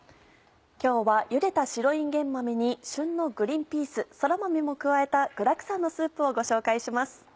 今日はゆでた白いんげん豆に旬のグリンピースそら豆も加えた具だくさんのスープをご紹介します。